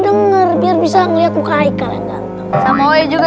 denger biar bisa ngelihat muka ikan dan sama juga